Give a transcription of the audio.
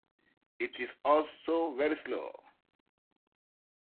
It is also very slow.